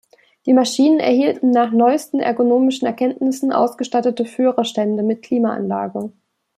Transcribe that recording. Die Maschinen erhielten nach neuesten ergonomischen Erkenntnissen ausgestattete Führerstände mit Klimaanlage.